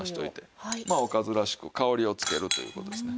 まあおかずらしく香りをつけるという事ですね。